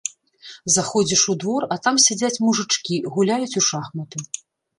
Заходзіш у двор, а там сядзяць мужычкі, гуляюць у шахматы.